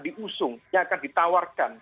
diusung yang akan ditawarkan